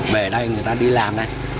về đây người ta đi làm việc